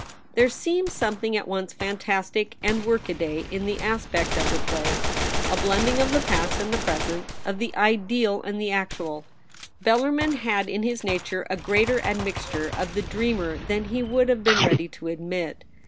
There seemed something at once fantastic and work a day in the aspect of the place — a blending of the past and the present ; of the ideal and the actual. Bellarmin had in his nature a greater admixture of the dreamer than he would have been ready to admit.